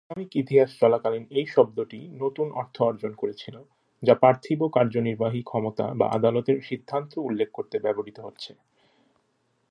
Islamic ইতিহাস চলাকালীন এই শব্দটি নতুন অর্থ অর্জন করেছিল, যা পার্থিব কার্যনির্বাহী ক্ষমতা বা আদালতের সিদ্ধান্ত উল্লেখ করতে ব্যবহৃত হচ্ছে।